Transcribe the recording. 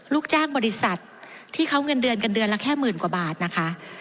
ลูกจ้างบริษัทที่เขาเงินเดือนกันเดือนละแค่หมื่นกว่าบาทนะคะ